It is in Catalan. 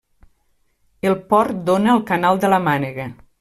El port dóna al canal de la Mànega.